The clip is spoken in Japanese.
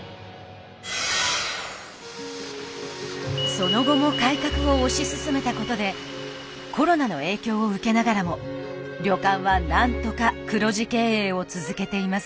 その後も改革を推し進めたことでコロナの影響を受けながらも旅館は何とか黒字経営を続けています。